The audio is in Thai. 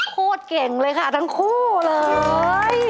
เก่งเลยค่ะทั้งคู่เลย